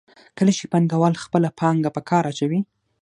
کله چې پانګوال خپله پانګه په کار اچوي